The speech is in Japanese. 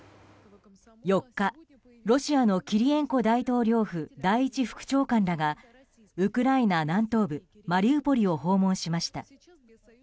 ４日、ロシアのキリエンコ大統領府第１副長官らがウクライナ南東部マリウポリを訪問しました。